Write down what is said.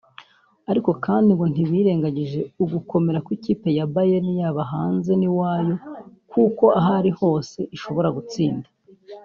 ariko kandi ngo ntibirengagije ugukomera kw’ikipe ya Bayern yaba hanze n’iwayo kuko ahariho hose ishobora gutsinda